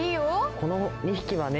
この２匹はね